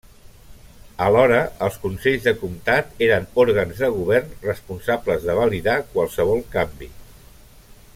Alhora, els consells de comtat eren òrgans de govern responsables de validar qualsevol canvi.